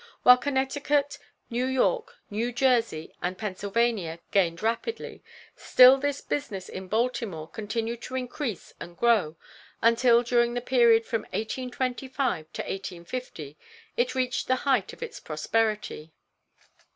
While Connecticut, New York, New Jersey and Pennsylvania gained rapidly, still this business in Baltimore continued to increase and grow, until during the period from 1825 to 1850 it reached the height of its prosperity.